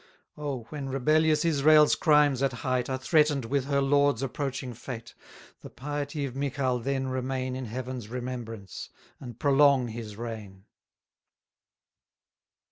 Oh! when rebellious Israel's crimes at height, Are threaten'd with her Lord's approaching fate, The piety of Michal then remain In Heaven's remembrance, and prolong his reign!